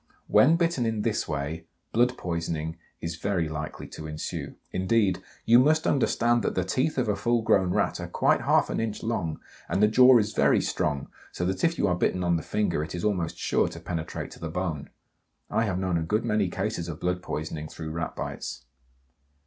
When bitten in this way blood poisoning is very likely to ensue. Indeed, you must understand that the teeth of a full grown Rat are quite half an inch long, and the jaw is very strong, so that if you are bitten on the finger it is almost sure to penetrate to the bone. I have known a good many cases of blood poisoning through Rat bites.